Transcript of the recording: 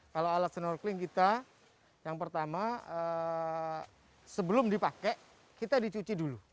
kalau alat snorkeling kita yang pertama sebelum dipakai kita dicuci dulu